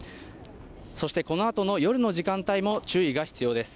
そしてこのあとの夜の時間帯も注意が必要です。